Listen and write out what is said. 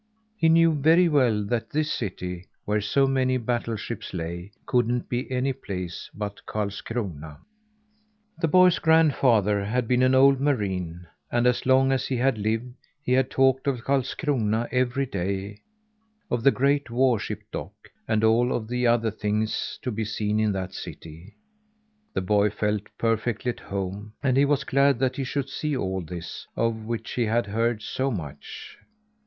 He knew very well that this city where so many battleships lay couldn't be any place but Karlskrona. The boy's grandfather had been an old marine; and as long as he had lived, he had talked of Karlskrona every day; of the great warship dock, and of all the other things to be seen in that city. The boy felt perfectly at home, and he was glad that he should see all this of which he had heard so much.